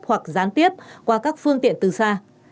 hoặc gián tiếp qua các phương tiện từ xa